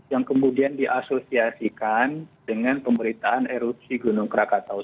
yang kemudian diasosiasikan dengan pemberitaan erupsi gunung krakatau